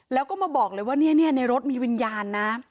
แล้วก็มาบอกเลยว่าในรถมีวิญญาณนะ